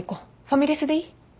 ファミレスでいい？